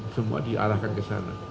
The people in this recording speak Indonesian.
semua dialahkan ke sana